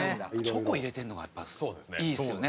チョコ入れてるのがやっぱいいですよね。